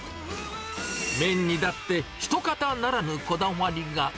麺にだって、ひとかたならぬこだわりが。